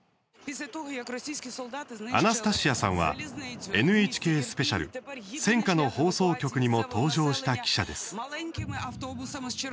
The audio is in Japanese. アナスタシヤさんは「ＮＨＫスペシャル戦火の放送局」にも登場した記者です。